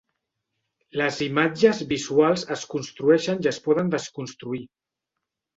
Les imatges visuals es construeixen i es poden desconstruir.